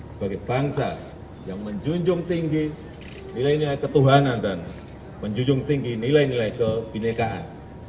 sebagai bangsa yang menjunjung tinggi nilainya ketuhanan dan menjunjung tinggi nilai nilai kebenekaan